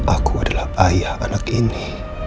aku adalah ayah anak ini